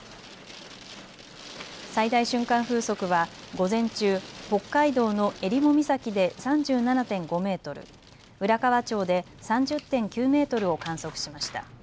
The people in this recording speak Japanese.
最大瞬間風速は午前中、北海道のえりも岬で３７．５メートル、浦河町で３０．９メートルを観測しました。